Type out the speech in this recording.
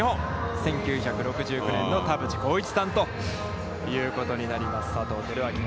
１９６９年の田淵幸一さんということになります佐藤輝明選手。